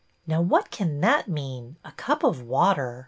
" Now what can that mean ? A cup of water?